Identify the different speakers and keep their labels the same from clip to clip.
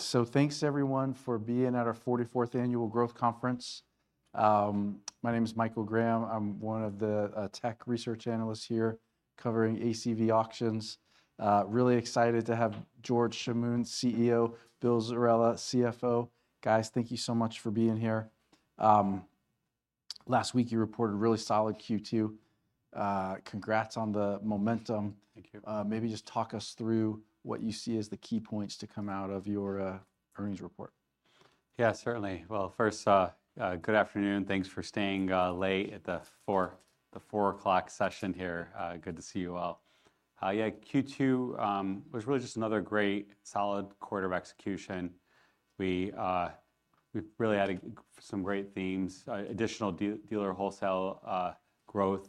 Speaker 1: So thanks everyone for being at our 44th annual growth conference. My name is Michael Graham. I'm one of the tech research analysts here, covering ACV Auctions. Really excited to have George Chamoun, CEO, Bill Zerella, CFO. Guys, thank you so much for being here. Last week, you reported a really solid Q2. Congrats on the momentum.
Speaker 2: Thank you.
Speaker 1: Maybe just talk us through what you see as the key points to come out of your earnings report.
Speaker 2: Yeah, certainly. Well, first, good afternoon, and thanks for staying late at the 4:00 P.M. session here. Good to see you all. Yeah, Q2 was really just another great, solid quarter of execution. We really added some great themes, additional dealer wholesale growth.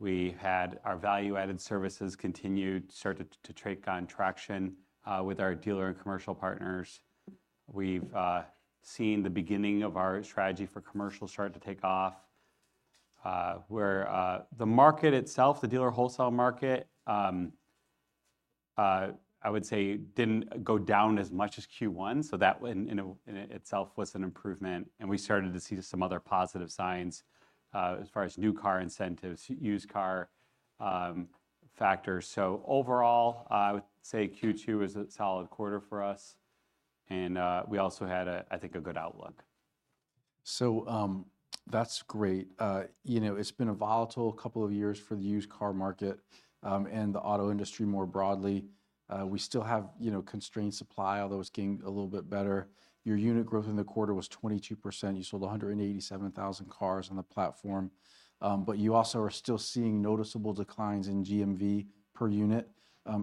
Speaker 2: We had our value-added services continued to start to take on traction with our dealer and commercial partners. We've seen the beginning of our strategy for commercial start to take off. Where the market itself, the dealer wholesale market, I would say didn't go down as much as Q1, so that in itself was an improvement, and we started to see some other positive signs as far as new car incentives, used car factors. So overall, I would say Q2 was a solid quarter for us, and we also had, I think, a good outlook.
Speaker 1: So, that's great. You know, it's been a volatile couple of years for the used car market, and the auto industry more broadly. We still have, you know, constrained supply, although it's getting a little bit better. Your unit growth in the quarter was 22%. You sold 187,000 cars on the platform. But you also are still seeing noticeable declines in GMV per unit,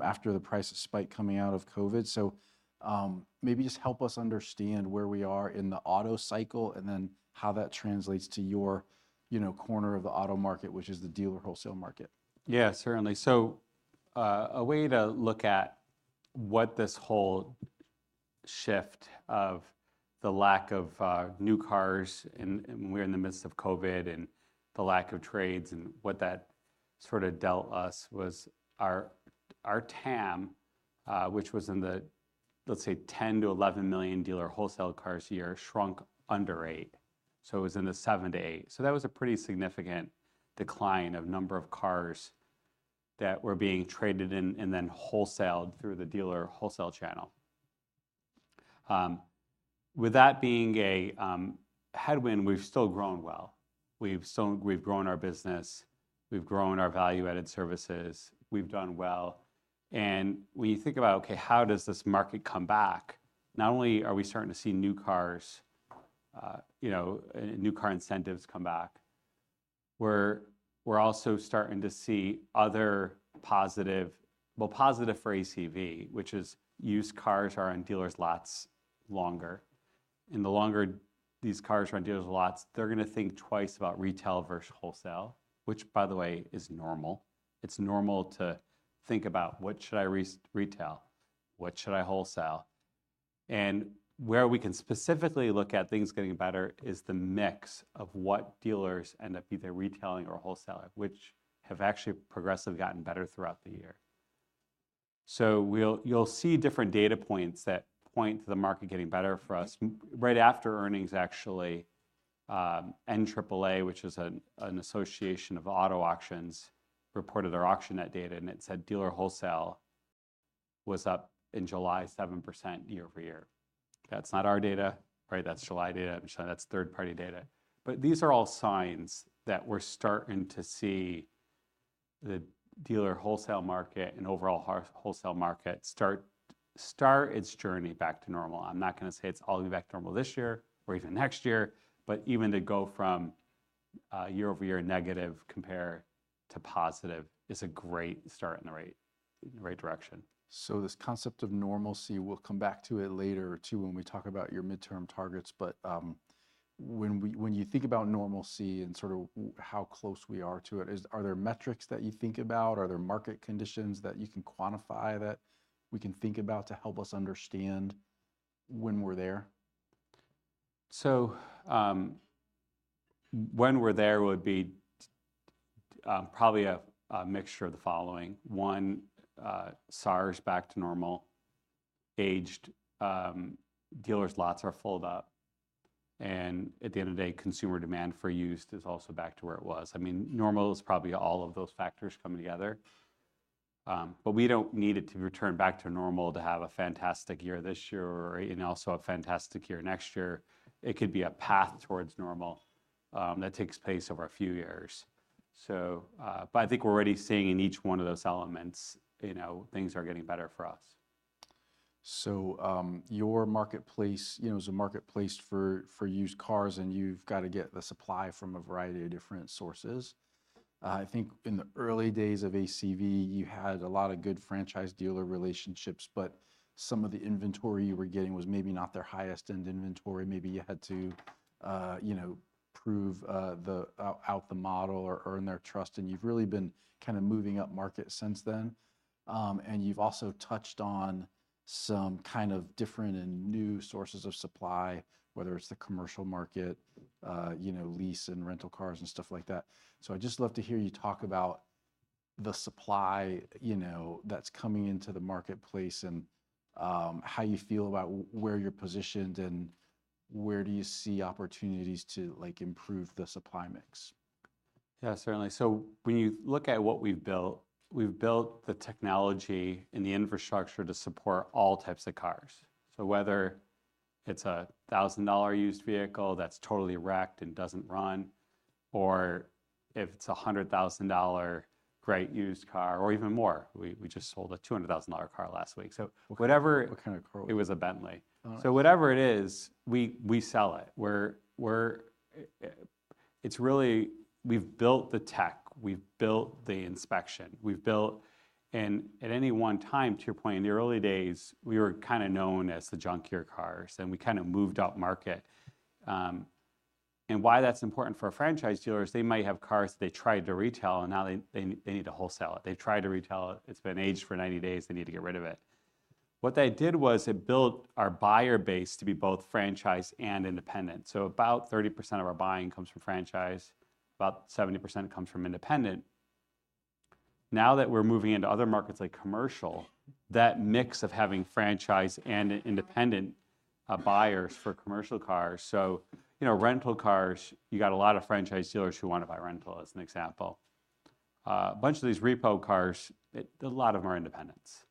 Speaker 1: after the price spike coming out of COVID. So, maybe just help us understand where we are in the auto cycle, and then how that translates to your, you know, corner of the auto market, which is the dealer wholesale market.
Speaker 2: Yeah, certainly. So, a way to look at what this whole shift of the lack of new cars, and we're in the midst of COVID, and the lack of trades, and what that sorta dealt us, was our TAM, which was in the, let's say, 10-11 million dealer wholesale cars a year, shrunk under 8, so it was in the 7-8. So that was a pretty significant decline of number of cars that were being traded and then wholesaled through the dealer wholesale channel. With that being a headwind, we've still grown well. We've still... We've grown our business, we've grown our value-added services, we've done well. And when you think about, okay, how does this market come back? Not only are we starting to see new cars, you know, new car incentives come back, we're also starting to see other positive. Well, positive for ACV, which is used cars are on dealers' lots longer, and the longer these cars are on dealers' lots, they're gonna think twice about retail versus wholesale, which, by the way, is normal. It's normal to think about, "What should I retail? What should I wholesale?" And where we can specifically look at things getting better, is the mix of what dealers end up either retailing or wholesaling, which have actually progressively gotten better throughout the year. So you'll see different data points that point to the market getting better for us. Right after earnings, actually, NAAA, which is an association of auto auctions, reported their AuctionNet data, and it said dealer wholesale was up in July, 7% year-over-year. That's not our data, right? That's July data, I'm sure that's third-party data. But these are all signs that we're starting to see the dealer wholesale market and overall wholesale market start its journey back to normal. I'm not gonna say it's all the way back to normal this year or even next year, but even to go from year-over-year negative compare to positive is a great start in the right direction.
Speaker 1: So this concept of normalcy, we'll come back to it later, too, when we talk about your midterm targets. But, when you think about normalcy and sort of how close we are to it, are there metrics that you think about? Are there market conditions that you can quantify, that we can think about to help us understand when we're there?
Speaker 2: So, when we get there, it would be a mixture of the following: One, SAAR back to normal, aged, dealers' lots are filled up, and at the end of the day, consumer demand for used is also back to where it was. I mean, normal is probably all of those factors coming together. But we don't need it to return back to normal to have a fantastic year this year or and also a fantastic year next year. It could be a path towards normal that takes place over a few years. But I think we're already seeing in each one of those elements, you know, things are getting better for us.
Speaker 1: So, your marketplace, you know, is a marketplace for used cars, and you've got to get the supply from a variety of different sources. I think in the early days of ACV, you had a lot of good franchise dealer relationships, but some of the inventory you were getting was maybe not their highest-end inventory. Maybe you had to, you know, prove out the model or earn their trust, and you've really been kind of moving upmarket since then. And you've also touched on some kind of different and new sources of supply, whether it's the commercial market, you know, lease and rental cars, and stuff like that. So I'd just love to hear you talk about-... the supply, you know, that's coming into the marketplace, and how you feel about where you're positioned, and where do you see opportunities to, like, improve the supply mix?
Speaker 2: Yeah, certainly. So when you look at what we've built, we've built the technology and the infrastructure to support all types of cars. So whether it's a $1,000 used vehicle that's totally wrecked and doesn't run, or if it's a $100,000 great used car or even more... We, we just sold a $200,000 car last week. So whatever-
Speaker 1: What kind of car?
Speaker 2: It was a Bentley.
Speaker 1: All right.
Speaker 2: So whatever it is, we sell it. We're... It's really, we've built the tech, we've built the inspection, we've built... And at any one time, to your point, in the early days, we were kind of known as the junk your cars, and we kind of moved upmarket. And why that's important for our franchise dealers, they might have cars they tried to retail, and now they need to wholesale it. They tried to retail it. It's been aged for 90 days. They need to get rid of it. What they did was it built our buyer base to be both franchise and independent. So about 30% of our buying comes from franchise, about 70% comes from independent. Now that we're moving into other markets, like commercial, that mix of having franchise and independent buyers for commercial cars... So, you know, rental cars, you got a lot of franchise dealers who want to buy rental, as an example. A bunch of these repo cars, a lot of them are independents.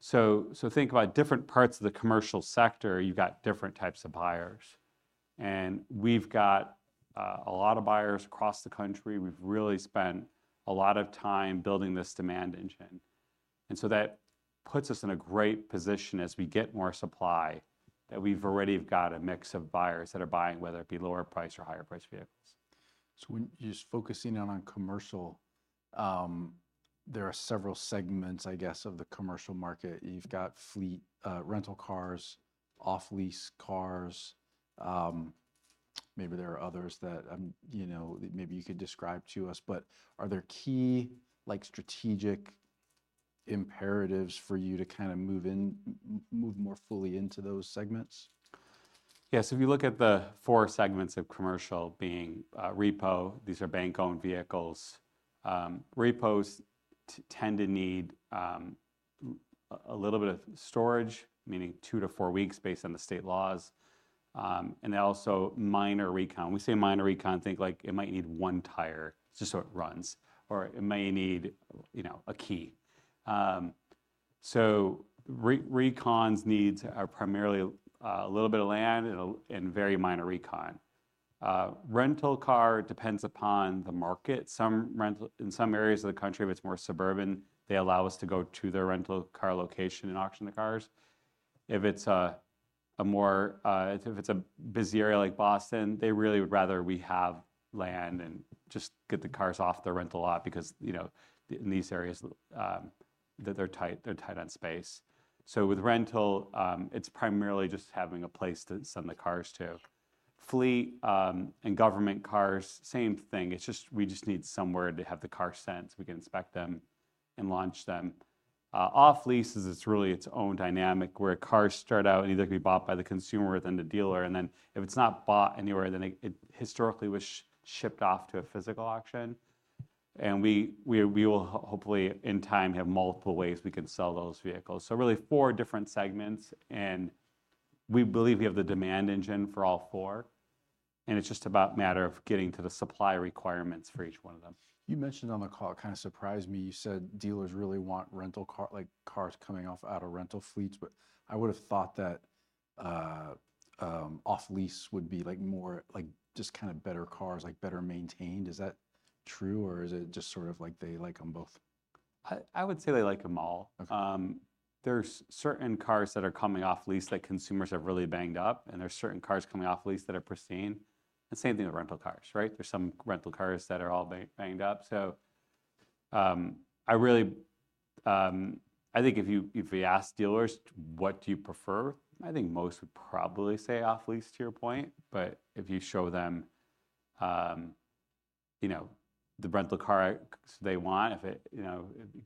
Speaker 2: So think about different parts of the commercial sector, you've got different types of buyers, and we've got a lot of buyers across the country. We've really spent a lot of time building this demand engine, and so that puts us in a great position as we get more supply, that we've already have got a mix of buyers that are buying, whether it be lower-price or higher-price vehicles.
Speaker 1: So, just focusing in on commercial, there are several segments, I guess, of the commercial market. You've got fleet, rental cars, off-lease cars. Maybe there are others that, you know, that maybe you could describe to us, but are there key, like, strategic imperatives for you to kind of move in, move more fully into those segments?
Speaker 2: Yeah, so if you look at the four segments of commercial, being repo, these are bank-owned vehicles. Repos tend to need a little bit of storage, meaning two to four weeks based on the state laws. And then also minor recon. When we say minor recon, think like it might need one tire just so it runs, or it may need, you know, a key. So recons' needs are primarily a little bit of land and very minor recon. Rental car, it depends upon the market. Some rental. In some areas of the country, if it's more suburban, they allow us to go to their rental car location and auction the cars. If it's a more. If it's a busy area like Boston, they really would rather we have land and just get the cars off their rental lot because, you know, the, in these areas, they're tight on space. So with rental, it's primarily just having a place to send the cars to. Fleet, and government cars, same thing. It's just, we just need somewhere to have the cars sent, so we can inspect them and launch them. Off lease is, it's really its own dynamic, where a car start out, it either can be bought by the consumer, then the dealer, and then if it's not bought anywhere, then it, it historically was shipped off to a physical auction. And we will hopefully, in time, have multiple ways we can sell those vehicles. So really four different segments, and we believe we have the demand engine for all four, and it's just about a matter of getting to the supply requirements for each one of them.
Speaker 1: You mentioned on the call, it kind of surprised me, you said dealers really want rental car-like cars coming off out of rental fleets. But I would've thought that off-lease would be, like, more, like, just kind of better cars, like, better maintained. Is that true, or is it just sort of like they like them both?
Speaker 2: I would say they like them all.
Speaker 1: Okay.
Speaker 2: There's certain cars that are coming off lease that consumers have really banged up, and there's certain cars coming off lease that are pristine, and same thing with rental cars, right? There's some rental cars that are all banged up. So, I really think if we asked dealers, "What do you prefer?" I think most would probably say off lease, to your point. But if you show them, you know, the rental cars they want, if it, you know,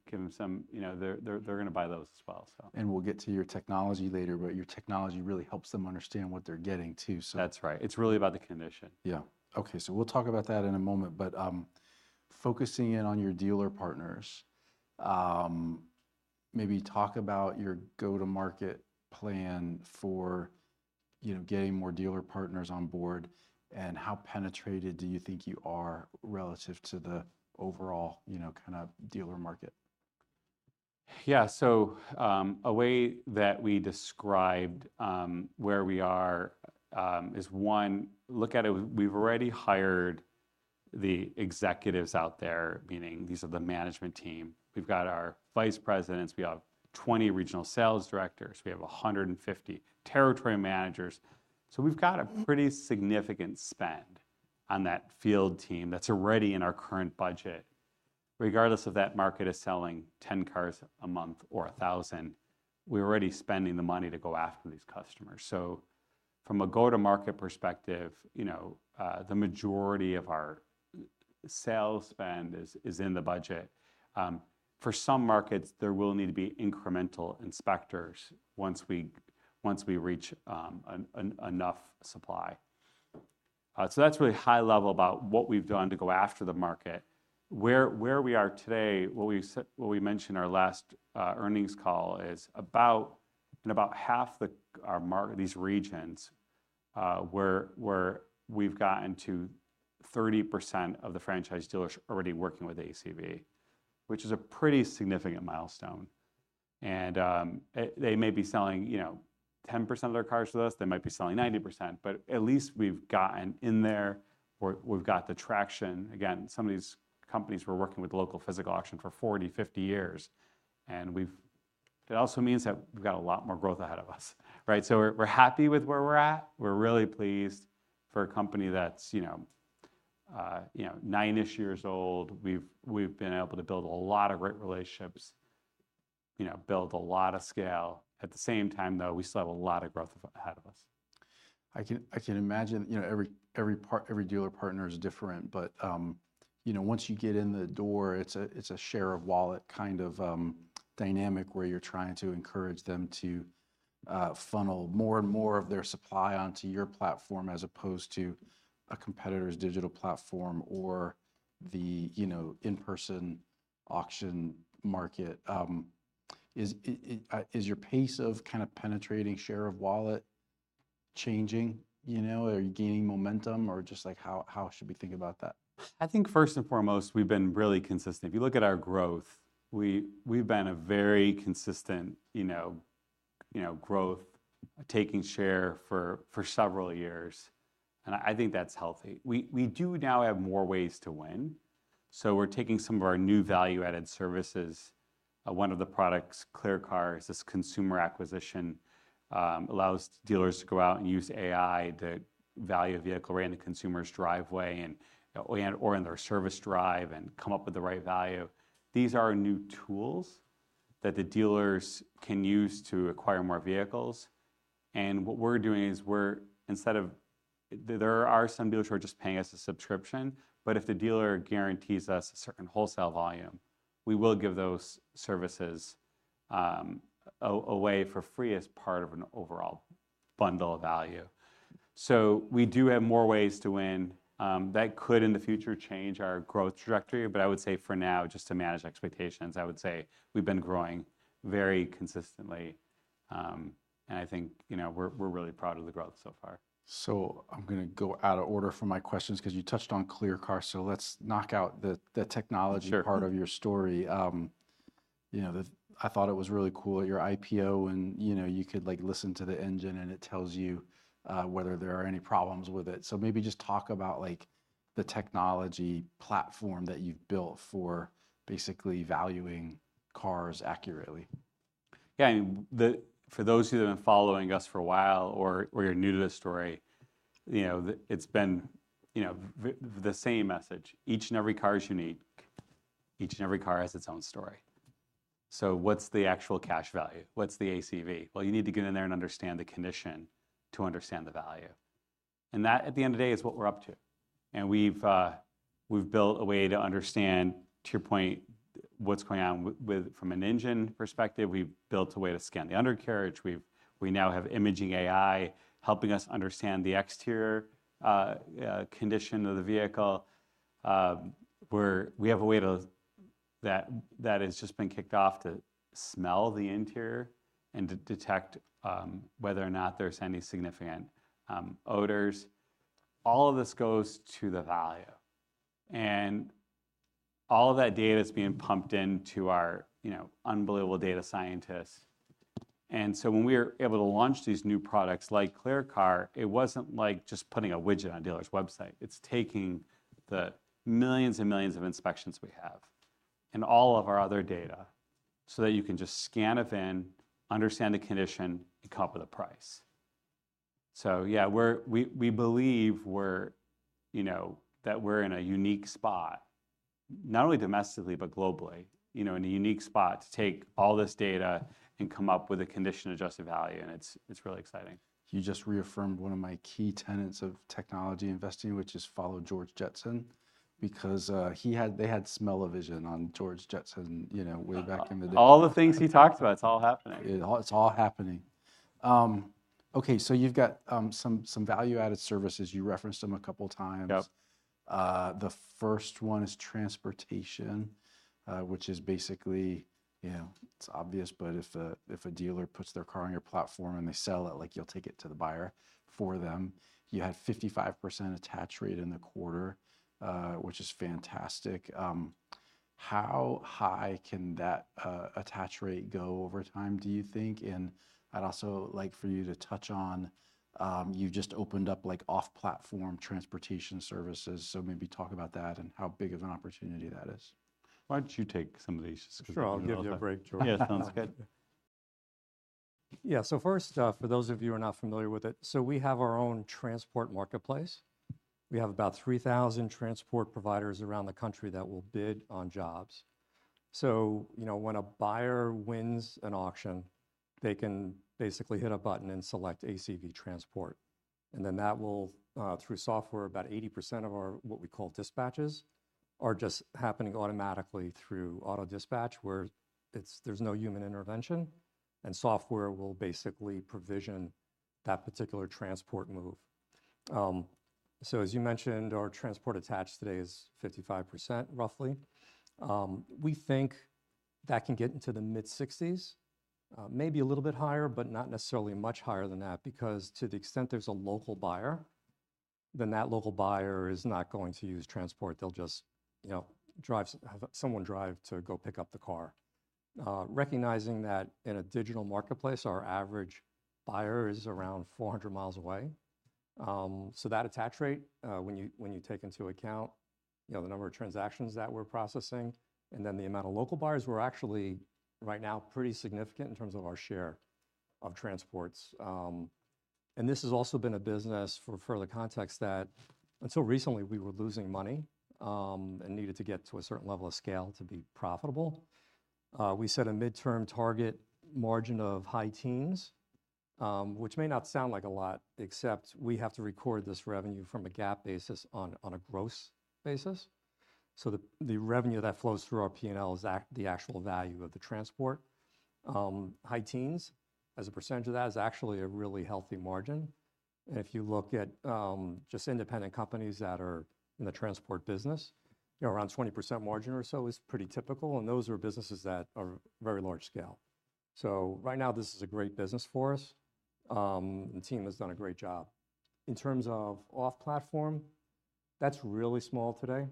Speaker 2: give them some, you know, they're gonna buy those as well, so-
Speaker 1: We'll get to your technology later, but your technology really helps them understand what they're getting, too, so-
Speaker 2: That's right. It's really about the condition.
Speaker 1: Yeah. Okay, so we'll talk about that in a moment, but, focusing in on your dealer partners, maybe talk about your go-to-market plan for, you know, getting more dealer partners on board, and how penetrated do you think you are relative to the overall, you know, kind of dealer market?
Speaker 2: Yeah, so, a way that we described where we are is, one, look at it, we've already hired the executives out there, meaning these are the management team. We've got our vice presidents. We have 20 regional sales directors. We have 150 territory managers. So we've got a pretty significant spend on that field team that's already in our current budget. Regardless if that market is selling 10 cars a month or 1,000, we're already spending the money to go after these customers. So from a go-to-market perspective, you know, the majority of our sales spend is in the budget. For some markets, there will need to be incremental inspectors once we reach enough supply. So that's really high level about what we've done to go after the market. Where we are today, what we mentioned our last earnings call, is about in about half the our markets these regions, we've gotten to 30% of the franchise dealers already working with ACV, which is a pretty significant milestone. And they may be selling, you know, 10% of their cars to us, they might be selling 90%, but at least we've gotten in there, or we've got the traction. Again, some of these companies were working with local physical auction for 40, 50 years, and we've It also means that we've got a lot more growth ahead of us right? So we're happy with where we're at. We're really pleased. For a company that's, you know, you know, nine-ish years old, we've been able to build a lot of great relationships, you know, build a lot of scale. At the same time, though, we still have a lot of growth ahead of us.
Speaker 1: I can imagine, you know, every part, every dealer partner is different, but, you know, once you get in the door, it's a share of wallet kind of dynamic, where you're trying to encourage them to funnel more and more of their supply onto your platform as opposed to a competitor's digital platform or the, you know, in-person auction market. Is your pace of kind of penetrating share of wallet changing, you know? Are you gaining momentum, or just, like, how should we think about that?
Speaker 2: I think first and foremost, we've been really consistent. If you look at our growth, we've been a very consistent, you know, growth, taking share for several years, and I think that's healthy. We do now have more ways to win, so we're taking some of our new value-added services. One of the products, ClearCar, is this consumer acquisition allows dealers to go out and use AI to value a vehicle right in the consumer's driveway, or in their service drive, and come up with the right value. These are new tools that the dealers can use to acquire more vehicles, and what we're doing is we're instead of... There are some dealers who are just paying us a subscription, but if the dealer guarantees us a certain wholesale volume, we will give those services away for free as part of an overall bundle of value. So we do have more ways to win. That could, in the future, change our growth trajectory, but I would say for now, just to manage expectations, I would say we've been growing very consistently. And I think, you know, we're really proud of the growth so far.
Speaker 1: So I'm gonna go out of order for my questions, 'cause you touched on ClearCar, so let's knock out the technology-
Speaker 2: Sure...
Speaker 1: part of your story. You know, I thought it was really cool at your IPO, and, you know, you could, like, listen to the engine, and it tells you whether there are any problems with it. So maybe just talk about, like, the technology platform that you've built for basically valuing cars accurately.
Speaker 2: Yeah, and... For those who have been following us for a while, or you're new to the story, you know, it's been, you know, the same message: each and every car is unique. Each and every car has its own story. So what's the actual cash value? What's the ACV? Well, you need to get in there and understand the condition to understand the value, and that, at the end of the day, is what we're up to. And we've built a way to understand, to your point, what's going on with from an engine perspective. We've built a way to scan the undercarriage. We now have imaging AI helping us understand the exterior condition of the vehicle. We have a way that has just been kicked off, to smell the interior and detect whether or not there's any significant odors. All of this goes to the value, and all of that data is being pumped into our, you know, unbelievable data scientists. And so when we were able to launch these new products, like ClearCar, it wasn't like just putting a widget on a dealer's website. It's taking the millions and millions of inspections we have, and all of our other data, so that you can just scan a VIN, understand the condition, and come up with a price. So yeah, we believe that we're, you know, in a unique spot, not only domestically, but globally, you know, in a unique spot to take all this data and come up with a condition-adjusted value, and it's really exciting.
Speaker 1: You just reaffirmed one of my key tenets of technology investing, which is follow George Jetson, because they had Smell-O-Vision on George Jetson, you know, way back in the day.
Speaker 2: All the things he talked about, it's all happening.
Speaker 1: It's all happening. Okay, so you've got some value-added services. You referenced them a couple times.
Speaker 2: Yep.
Speaker 1: The first one is transportation, which is basically, you know, it's obvious, but if a dealer puts their car on your platform and they sell it, like, you'll take it to the buyer for them. You had 55% attach rate in the quarter, which is fantastic. How high can that attach rate go over time, do you think? And I'd also like for you to touch on... You've just opened up, like, off-platform transportation services, so maybe talk about that and how big of an opportunity that is.
Speaker 2: Why don't you take some of these, just because-
Speaker 3: Sure, I'll give you a break, George.
Speaker 2: Yeah, sounds good.
Speaker 3: Yeah, so first, for those of you who are not familiar with it, so we have our own transport marketplace. We have about 3,000 transport providers around the country that will bid on jobs. So, you know, when a buyer wins an auction, they can basically hit a button and select ACV Transport... and then that will, through software, about 80% of our, what we call dispatches, are just happening automatically through Auto Dispatch, where there's no human intervention, and software will basically provision that particular transport move. So as you mentioned, our transport attach today is 55%, roughly. We think that can get into the mid-60s, maybe a little bit higher, but not necessarily much higher than that, because to the extent there's a local buyer, then that local buyer is not going to use transport. They'll just, you know, have someone drive to go pick up the car. Recognizing that in a digital marketplace, our average buyer is around 400 mi away. So that attach rate, when you, when you take into account, you know, the number of transactions that we're processing, and then the amount of local buyers, we're actually, right now, pretty significant in terms of our share of transports. And this has also been a business, for, for the context that until recently, we were losing money, and needed to get to a certain level of scale to be profitable. We set a midterm target margin of high teens, which may not sound like a lot, except we have to record this revenue from a GAAP basis on a gross basis. So the revenue that flows through our P&L is the actual value of the transport. High teens percent, as a percentage of that, is actually a really healthy margin, and if you look at just independent companies that are in the transport business, you know, around 20% margin or so is pretty typical, and those are businesses that are very large scale. So right now, this is a great business for us. The team has done a great job. In terms of off-platform, that's really small today.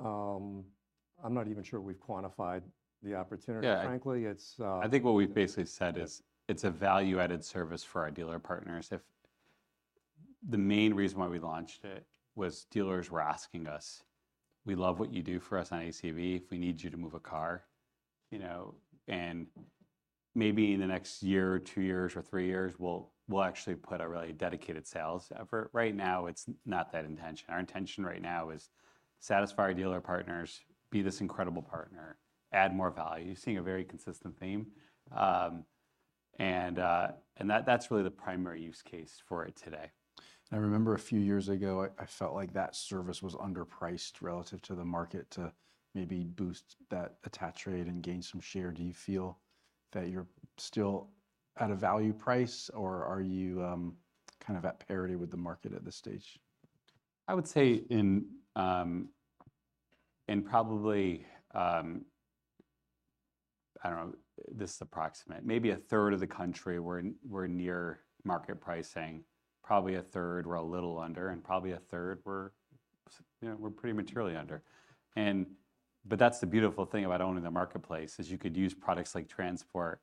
Speaker 3: I'm not even sure we've quantified the opportunity-
Speaker 2: Yeah.
Speaker 3: Frankly, it's,
Speaker 2: I think what we've basically said is, it's a value-added service for our dealer partners. The main reason why we launched it was dealers were asking us, "We love what you do for us on ACV if we need you to move a car," you know? And maybe in the next year, or two years, or three years, we'll actually put a really dedicated sales effort. Right now, it's not that intention. Our intention right now is satisfy our dealer partners, be this incredible partner, add more value. You're seeing a very consistent theme. And that's really the primary use case for it today.
Speaker 1: I remember a few years ago, I felt like that service was underpriced relative to the market to maybe boost that attach rate and gain some share. Do you feel that you're still at a value price, or are you, kind of at parity with the market at this stage?
Speaker 2: I would say in probably, I don't know, this is approximate, maybe a third of the country, we're near market pricing. Probably a third, we're a little under, and probably a third, we're, you know, we're pretty materially under. But that's the beautiful thing about owning the marketplace, is you could use products like transport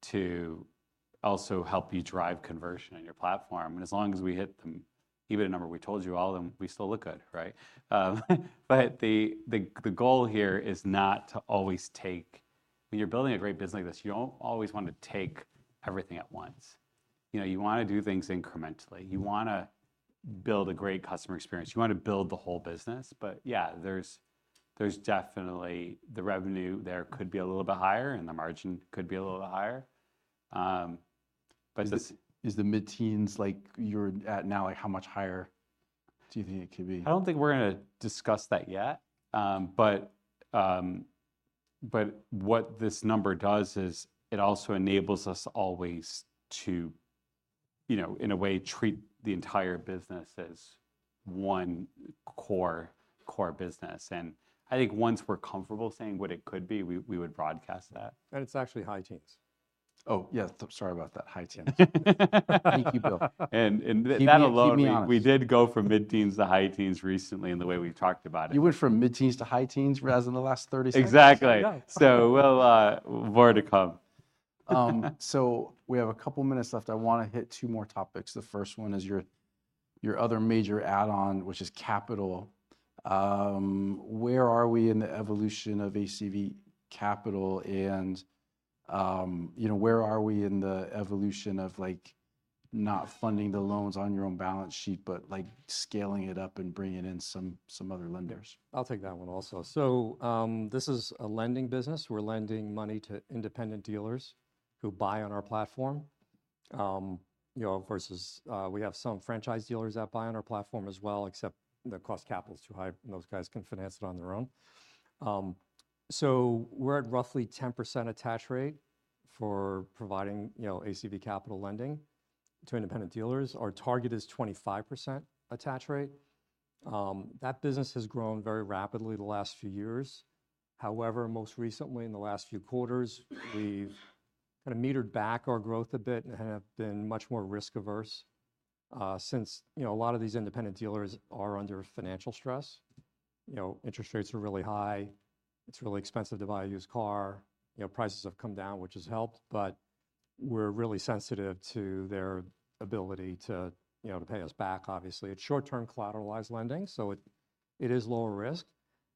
Speaker 2: to also help you drive conversion on your platform. And as long as we hit the EBITDA number we told you all, then we still look good, right? But the goal here is not to always take—when you're building a great business like this, you don't always want to take everything at once. You know, you wanna do things incrementally. You wanna build a great customer experience. You want to build the whole business, but yeah, there's definitely... The revenue there could be a little bit higher, and the margin could be a little bit higher. But it's-
Speaker 1: Is the mid-teens, like you're at now, like, how much higher do you think it could be?
Speaker 2: I don't think we're gonna discuss that yet. But what this number does is it also enables us always to, you know, in a way, treat the entire business as one core business. I think once we're comfortable saying what it could be, we would broadcast that.
Speaker 3: It's actually high teens.
Speaker 1: Oh, yeah, sorry about that, high teens.
Speaker 3: Thank you, Bill.
Speaker 2: And that alone-
Speaker 1: Keep me honest....
Speaker 2: we did go from mid teens to high teens recently in the way we've talked about it.
Speaker 1: You went from mid-teens to high-teens, [Raz, in the last 30 seconds?
Speaker 2: Exactly.
Speaker 3: Yeah.
Speaker 2: Well, more to come.
Speaker 1: So we have a couple minutes left. I wanna hit two more topics. The first one is your other major add-on, which is capital. Where are we in the evolution of ACV Capital, and you know, where are we in the evolution of, like, not funding the loans on your own balance sheet, but like, scaling it up and bringing in some other lenders?
Speaker 3: I'll take that one also. So, this is a lending business. We're lending money to independent dealers who buy on our platform. You know, of course, as we have some franchise dealers that buy on our platform as well, except the cost of capital is too high, and those guys can finance it on their own. So we're at roughly 10% attach rate for providing, you know, ACV Capital lending to independent dealers. Our target is 25% attach rate. That business has grown very rapidly the last few years. However, most recently, in the last few quarters, we've kind of metered back our growth a bit and have been much more risk-averse, since, you know, a lot of these independent dealers are under financial stress. You know, interest rates are really high. It's really expensive to buy a used car. You know, prices have come down, which has helped, but we're really sensitive to their ability to, you know, to pay us back, obviously. It's short-term collateralized lending, so it is lower risk.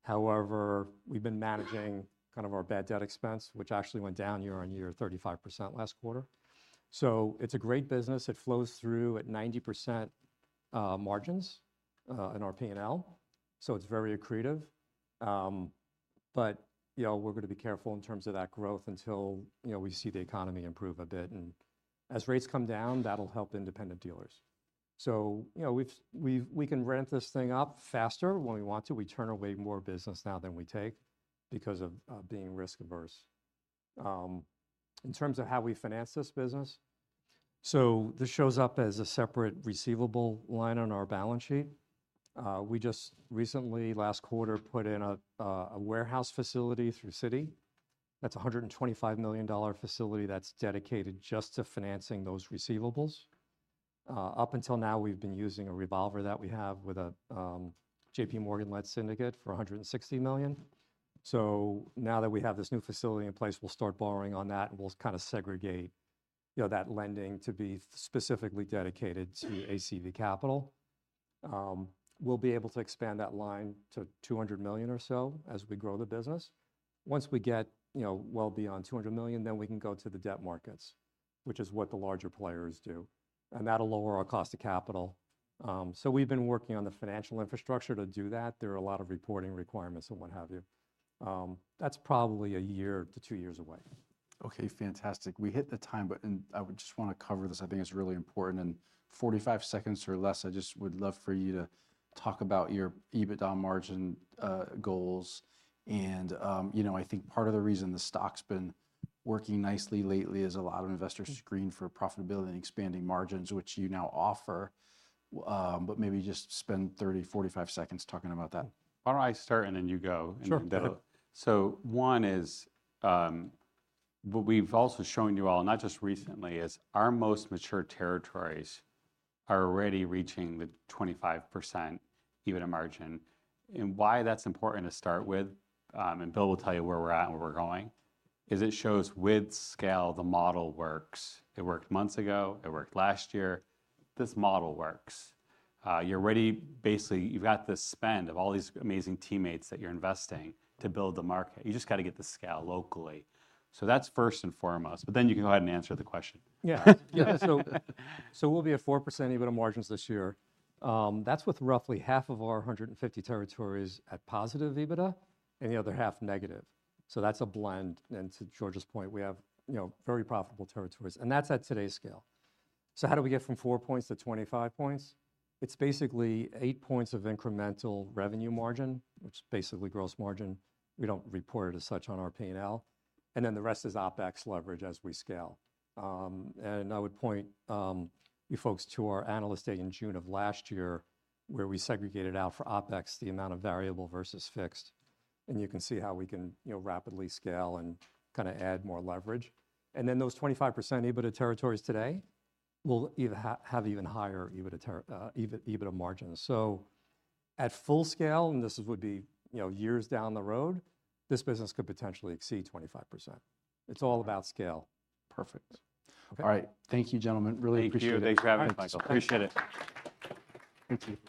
Speaker 3: However, we've been managing kind of our bad debt expense, which actually went down year-over-year, 35% last quarter. So it's a great business. It flows through at 90% margins in our P&L, so it's very accretive. But, you know, we're gonna be careful in terms of that growth until, you know, we see the economy improve a bit, and as rates come down, that'll help independent dealers. So, you know, we can ramp this thing up faster when we want to. We turn away more business now than we take because of being risk-averse. In terms of how we finance this business, so this shows up as a separate receivable line on our balance sheet. We just recently, last quarter, put in a warehouse facility through Citi. That's a $125 million facility that's dedicated just to financing those receivables. Up until now, we've been using a revolver that we have with a J.P. Morgan-led syndicate for $160 million. So now that we have this new facility in place, we'll start borrowing on that, and we'll kind of segregate, you know, that lending to be specifically dedicated to ACV Capital. We'll be able to expand that line to $200 million or so as we grow the business. Once we get, you know, well beyond $200 million, then we can go to the debt markets, which is what the larger players do, and that'll lower our cost of capital. So we've been working on the financial infrastructure to do that. There are a lot of reporting requirements and what have you. That's probably 1-2 years away.
Speaker 1: Okay, fantastic. We hit the time, but and I would just wanna cover this. I think it's really important. In 45 seconds or less, I just would love for you to talk about your EBITDA margin, goals, and, you know, I think part of the reason the stock's been working nicely lately is a lot of investors screen for profitability and expanding margins, which you now offer. But maybe just spend 30, 45 seconds talking about that.
Speaker 2: Why don't I start, and then you go?
Speaker 3: Sure.
Speaker 2: And Bill. So one is, what we've also shown you all, and not just recently, is our most mature territories are already reaching the 25% EBITDA margin, and why that's important to start with, and Bill will tell you where we're at and where we're going, is it shows with scale the model works. It worked months ago. It worked last year. This model works. You're already... Basically, you've got this spend of all these amazing teammates that you're investing to build the market. You just gotta get the scale locally, so that's first and foremost, but then you can go ahead and answer the question.
Speaker 3: Yeah. Yeah, so we'll be at 4% EBITDA margins this year. That's with roughly half of our 150 territories at positive EBITDA and the other half negative, so that's a blend. And to George's point, we have, you know, very profitable territories, and that's at today's scale. So how do we get from 4 points to 25 points? It's basically 8 points of incremental revenue margin, which is basically gross margin. We don't report it as such on our P&L, and then the rest is OpEx leverage as we scale. And I would point you folks to our Analyst Day in June of last year, where we segregated out for OpEx the amount of variable versus fixed, and you can see how we can, you know, rapidly scale and kinda add more leverage. And then those 25% EBITDA territories today will either have even higher EBITDA margins. So at full scale, and this would be, you know, years down the road, this business could potentially exceed 25%. It's all about scale.
Speaker 1: Perfect.
Speaker 3: Okay.
Speaker 1: All right. Thank you, gentlemen. Really appreciate it.
Speaker 2: Thank you. Thanks for having us, Michael. Appreciate it. Thank you.